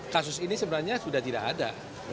kasus ini sebenarnya sudah tidak ada